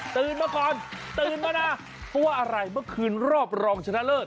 ตื่นมาก่อนตื่นมานะเพราะว่าอะไรเมื่อคืนรอบรองชนะเลิศ